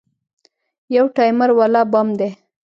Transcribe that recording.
يو ټايمر والا بم دى.